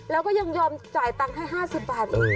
แล้วก็ยังยอมจ่ายตังค์ให้๕๐บาท